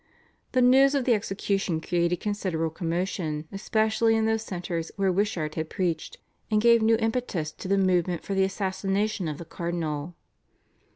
The news of the execution created considerable commotion especially in those centres where Wishart had preached, and gave new impetus to the movement for the assassination of the cardinal.